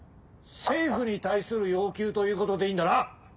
政府に対する要求ということでいいんだな？